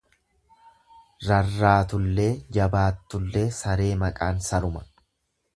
Rarraatullee jabaattullee saree maqaan saruma.